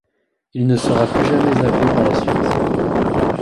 Il ne sera plus jamais appelé par la suite.